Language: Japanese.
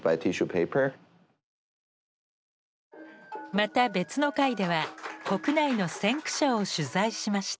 また別の回では国内の先駆者を取材しました。